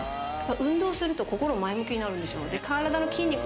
運動すると心が前向きになる。